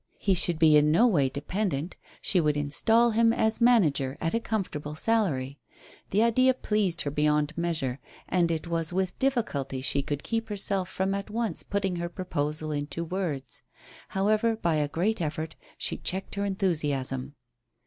He should be in no way dependent. She would install him as manager at a comfortable salary. The idea pleased her beyond measure, and it was with difficulty she could keep herself from at once putting her proposal into words. However, by a great effort, she checked her enthusiasm.